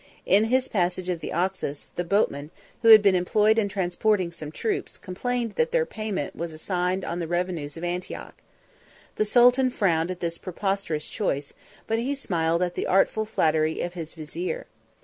In his passage of the Oxus, the boatmen, who had been employed in transporting some troops, complained, that their payment was assigned on the revenues of Antioch. The sultan frowned at this preposterous choice; but he miled at the artful flattery of his vizier.